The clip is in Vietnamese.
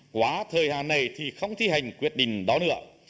quá thời hạn này thì không thi hành quyết định đó nữa